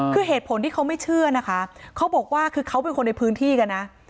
คือเหตุผลที่เขาไม่เชื่อนะคะเขาบอกว่าคือเขาเป็นคนในพื้นที่กันนะ